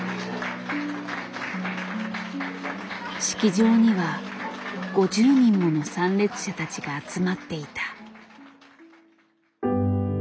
式場には５０人もの参列者たちが集まっていた。